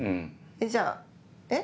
じゃあえっ？